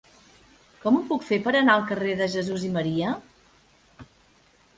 Com ho puc fer per anar al carrer de Jesús i Maria?